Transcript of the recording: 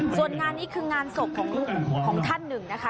ส่วนงานนี้คืองานศพของท่านหนึ่งนะคะ